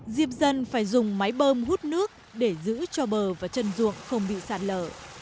diệp dân phải dùng máy bơm hút nước để giữ cho bờ và chân ruộng không bị sạt lở